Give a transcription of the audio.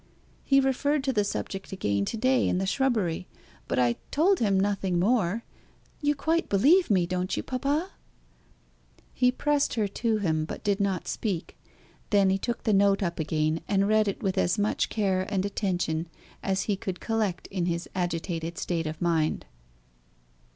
He referred to the subject again to day, in the shrubbery; but I told him nothing more. You quite believe me, don't you, papa?" He pressed her to him, but did not speak. Then he took the note up again, and read it with as much care and attention as he could collect in his agitated state of mind.